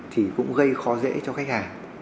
thì cũng gây khó dễ cho khách hàng